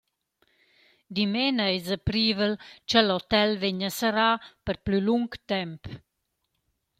Dimena esa privel cha l’hotel vegna serrà per plü lung temp.